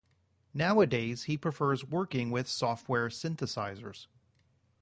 Nowadays he prefers working with software synthesizers.